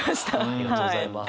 ありがとうございます。